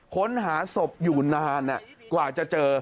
ค้นหาศพอยู่นานกว่าจะเจอ